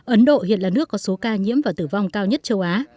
ấn độ hiện là nước có số ca nhiễm và tử vong cao nhất châu á